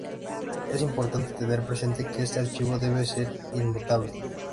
Es importante tener presente que este archivo debe ser inmutable.